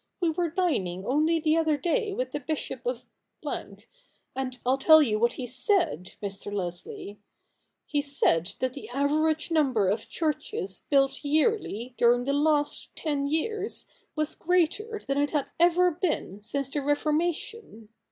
We were dining only the other day with the Bishop of , and I'll tell you what he said, Mr. Leslie. He said that the average number of churches built yearly during the last ten years was greater than it had ever been since the Reformation.